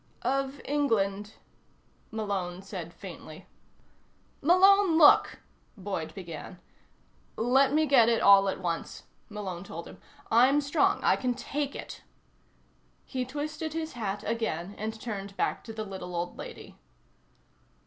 "Of England," Malone said faintly. "Malone, look " Boyd began. "Let me get it all at once," Malone told him. "I'm strong. I can take it." He twisted his hat again and turned back to the little old lady.